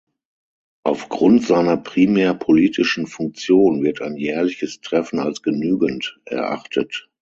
Aufgrund seiner primär politischen Funktion wird ein jährliches Treffen als genügend erachtet.